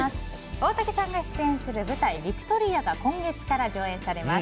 大竹さんが出演する舞台「ヴィクトリア」が今月から上演されます。